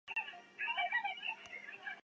授签书建康军节度判官。